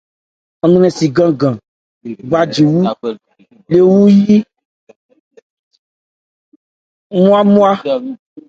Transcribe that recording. Ńmréci gán-gán gbajwi 'le wú yí nmwá-nmwá.